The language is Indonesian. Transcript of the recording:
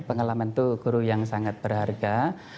pengalaman itu guru yang sangat berharga